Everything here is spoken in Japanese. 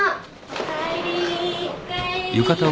おかえりー。